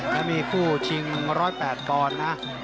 แล้วมีคู่ชิง๑๐๘ปอนด์นะ